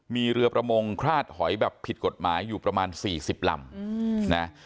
มีเรือประมงคราดหอยแบบผิดกฎหมายอยู่ประมาณ๔๐ลำนะ